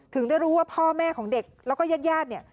ถึงได้รู้ว่าพ่อแม่ของเด็กแล้วก็ญาติ